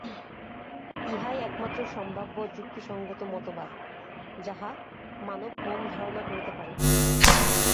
ইহাই একমাত্র সম্ভাব্য যুক্তিসঙ্গত মতবাদ, যাহা মানব-মন ধারণা করিতে পারে।